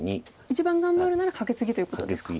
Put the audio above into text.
一番頑張るならカケツギということですか。